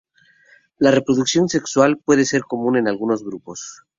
La reproducción sexual puede ser común en algunos grupos.